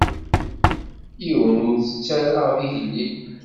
Yiwen ur t-ttarraɣ d igellil.